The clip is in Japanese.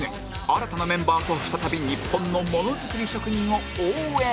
新たなメンバーと再び日本のものづくり職人を応援